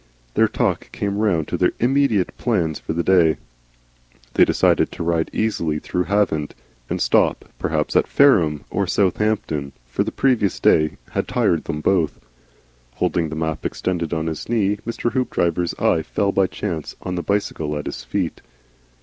Their talk came round to their immediate plans for the day. They decided to ride easily, through Havant, and stop, perhaps, at Fareham or Southampton. For the previous day had tried them both. Holding the map extended on his knee, Mr. Hoopdriver's eye fell by chance on the bicycle at his feet.